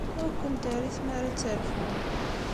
Ur ken-terri ara tmara ad terfum.